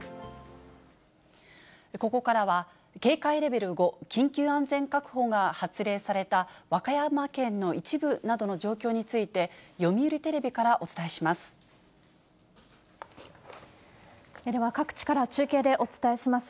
ここからは警戒レベル５、緊急安全確保が発令された和歌山県の一部などの状況について、では、各地から中継でお伝えします。